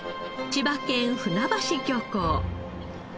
千葉県船橋漁港。